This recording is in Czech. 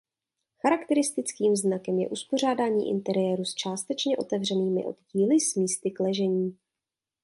Charakteristickým znakem je uspořádání interiéru s částečně otevřenými oddíly s místy k ležení.